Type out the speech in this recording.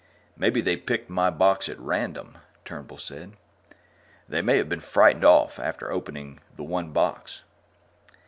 "Maybe they picked my box at random," Turnbull said. "They may have been frightened off after opening the one box."